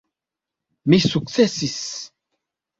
Mi sukcesis.